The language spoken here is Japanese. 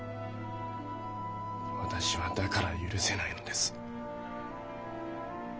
私はだから許せないのです。